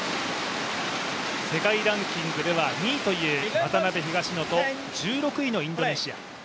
世界ランキングでは２位という渡辺・東野と１６位のインドネシア。